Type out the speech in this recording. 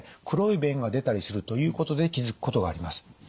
黒い便が出たりするということで気付くことがあります。